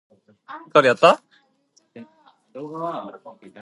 He graduated from the Department of Physics of Leningrad State University.